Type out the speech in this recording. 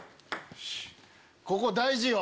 ここ大事よ！